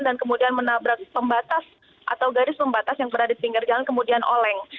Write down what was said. dan kemudian menabrak pembatas atau garis pembatas yang pernah ditinggal jalan kemudian oleng